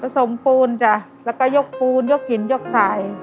สมปูนจ้ะแล้วก็ยกปูนยกหินยกสาย